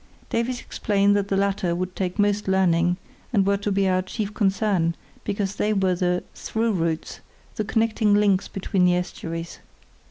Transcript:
Davies explained that the latter would take most learning, and were to be our chief concern, because they were the "through routes"—the connecting links between the estuaries.